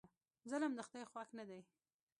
ظلم د خدای خوښ نه دی.